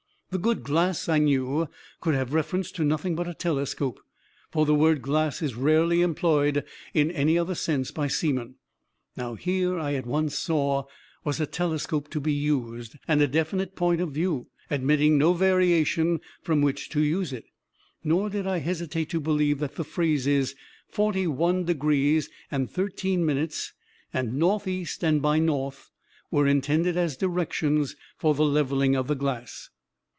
"The 'good glass,' I knew, could have reference to nothing but a telescope; for the word 'glass' is rarely employed in any other sense by seamen. Now here, I at once saw, was a telescope to be used, and a definite point of view, admitting no variation, from which to use it. Nor did I hesitate to believe that the phrases, 'forty one degrees and thirteen minutes,' and 'northeast and by north,' were intended as directions for the levelling of the glass.